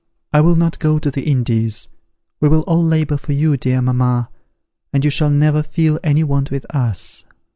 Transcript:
I will not go to the Indies. We will all labour for you, dear mamma; and you shall never feel any want with us."